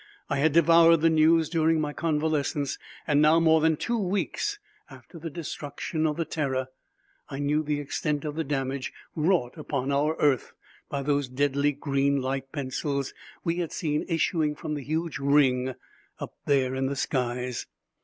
I had devoured the news during my convalescence and now, more than two weeks after the destruction of the Terror, I knew the extent of the damage wrought upon our earth by those deadly green light pencils we had seen issuing from the huge ring up there in the skies.